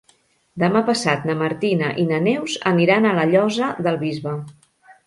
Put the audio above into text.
Demà passat na Martina i na Neus aniran a la Llosa del Bisbe.